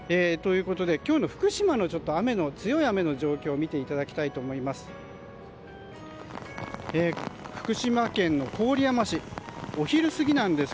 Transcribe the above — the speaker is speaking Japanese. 今日の福島の強い雨の状況を見ていただきたいと思います。